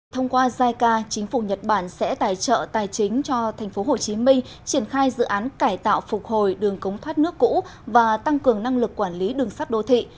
thông qua jica chính phủ nhật bản sẽ tài trợ tài chính cho tp hcm triển khai dự án cải tạo phục hồi đường cống thoát nước cũ và tăng cường năng lực quản lý đường sắt đô thị